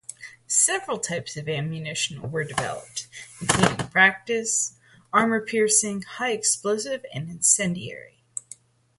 Several types of ammunition were developed, including practice, armor-piercing, high-explosive and incendiary.